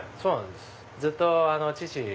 ずっと父。